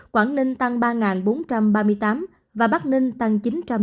quảng ninh tăng ba bốn trăm ba mươi tám và bắc ninh tăng chín trăm chín mươi sáu